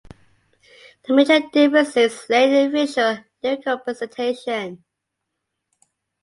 The major differences lay in visual and lyrical presentation.